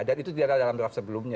dan itu tidak ada dalam draft sebelumnya